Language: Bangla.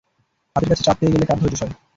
হাতের কাছে চাঁদ পেয়ে গেলে কার ধৈর্য্য সয়?